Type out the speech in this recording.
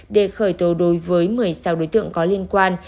để khởi tố đối với một mươi sáu đối tượng có liên quan